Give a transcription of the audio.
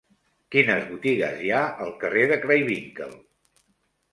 Quines botigues hi ha al carrer de Craywinckel?